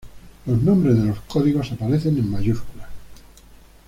Los nombres de los códigos aparecen en mayúsculas.